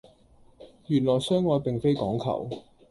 原來相愛並非講求